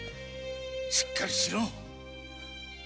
しっかりしろ！